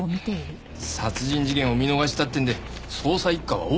殺人事件を見逃したってんで捜査一課は大騒ぎだよ。